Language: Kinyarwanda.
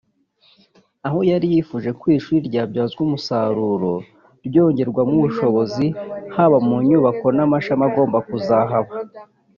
aho yari yifuje ko iri shuri ryabyazwa umusaruro ryongererwa ubushobozi haba mu nyubako n’amashami agomba kuzahaba